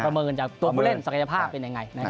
ประเมินตัวผู้เล่นศักยภาพเป็นอย่างไร